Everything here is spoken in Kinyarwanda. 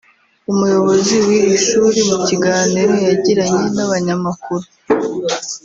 umuyobozi w’iri shuri mu kiganiro yagiranye n’abanyamakuru